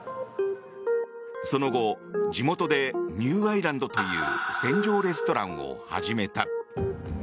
その後、地元でニュー・アイランドという船上レストランを始めた。